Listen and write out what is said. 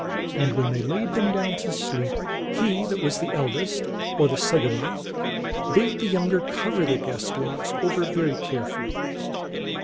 And when they laid them down to sleep he that was the eldest, or the sogmo, bade the younger cover their guest Lox over very carefully.